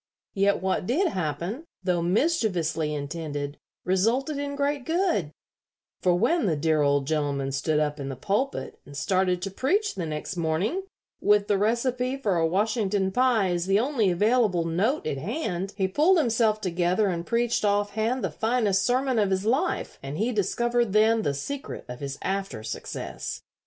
Yet what did happen, though mischievously intended, resulted in great good, for when the dear old gentleman stood up in the pulpit and started to preach the next morning, with the recipe for a Washington pie as the only available note at hand, he pulled himself together and preached off hand the finest sermon of his life, and he discovered then the secret of his after success.